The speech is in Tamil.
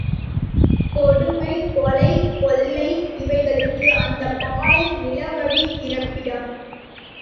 கொடுமை, கொலை, கொள்ளை இவைகளுக்கு அந்தப் பாலை நிலவழி இருப்பிடம்.